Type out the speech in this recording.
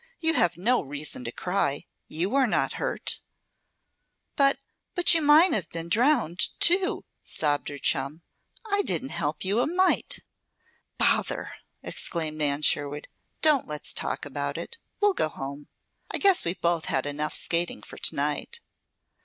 You have no reason to cry. You are not hurt." "But, but you might have been, been drowned, too," sobbed her chum. "I didn't help you a mite." "Bother!" exclaimed Nan Sherwood. "Don't let's talk about it. We'll go home. I guess we've both had enough skating for tonight."